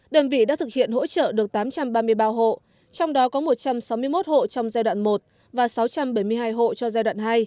đơn vị đã thực hiện hỗ trợ được tám trăm ba mươi ba hộ trong đó có một trăm sáu mươi một hộ trong giai đoạn một và sáu trăm bảy mươi hai hộ cho giai đoạn hai